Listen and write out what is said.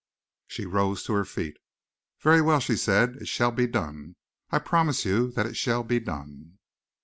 She rose to her feet. "Very well," she said, "it shall be done. I promise you that it shall be done."